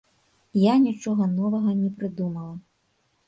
Я нічога новага не прыдумала.